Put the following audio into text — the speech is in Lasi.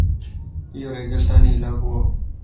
ايو ريگستاني علاقو وَ